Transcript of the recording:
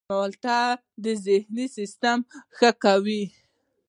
مالټې د هاضمې سیستم ښه کوي.